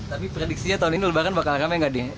tapi prediksinya tahun ini lebaran bakal ramai nggak deh